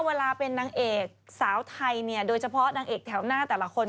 เวลาเป็นนางเอกสาวไทยเนี่ยโดยเฉพาะนางเอกแถวหน้าแต่ละคน